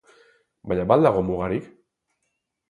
Baina ba al dago mugarik?